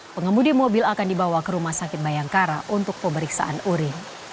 pengemudi mobil akan dibawa ke rumah sakit bayangkara untuk pemeriksaan urin